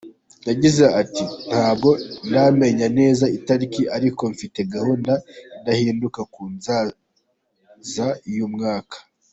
Yagize ati “Ntabwo ndamenya neza itariki ariko mfite gahunda idahinduka ko nzaza uyu mwaka.